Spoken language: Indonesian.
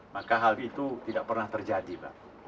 maka hal itu tidak pernah terjadi pak